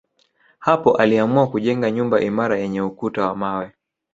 Hapo aliamua kujenga nyumba imara yenye ukuta wa mawe